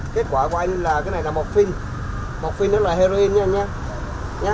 kết quả của anh là cái này là mocfin mocfin đó là heroin nha anh nhé